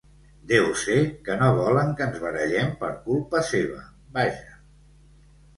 Deu ser que no volen que ens barallem per culpa seva, vaja.